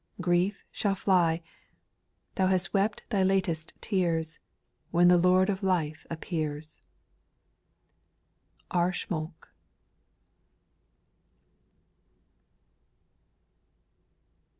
Grief shall fly ; Thou hast wept thy latest tears, When the Lord of life appears. R. SCHMOLK.